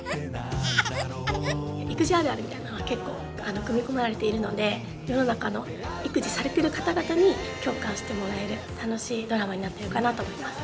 育児あるあるみたいなのが結構組み込まれているので世の中の育児されてる方々に共感してもらえる楽しいドラマになってるかなと思います。